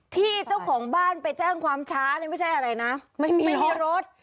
ที่เจ้าของบ้านไปแจ้งความช้านี่ไม่ใช่อะไรนะไม่มีรถ